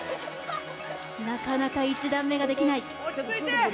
なかなか１段目ができない。